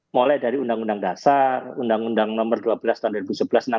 mulai dari undang undang dasar undang undang nomor dua belas tahun dua ribu sebelas tentang